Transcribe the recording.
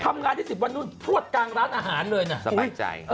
ทำงานได้๑๐วันนู่นทวดกลางร้านอาหารเลยนะสบายใจ